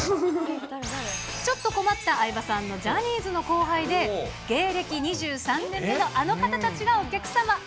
ちょっと困った相葉さんのジャニーズの後輩で、芸歴２３年目のあの方たちがお客様。